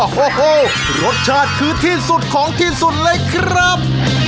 โอ้โหรสชาติคือที่สุดของที่สุดเลยครับ